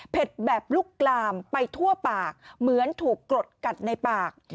แบบลุกลามไปทั่วปากเหมือนถูกกรดกัดในปาก